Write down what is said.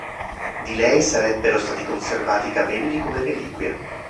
Di lei sarebbero stati conservati i capelli come reliquia.